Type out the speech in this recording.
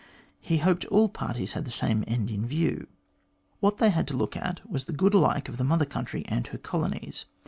He hoped all parties had the same end in view. "What they had to look at was the good alike of the Mother Country and her colonies.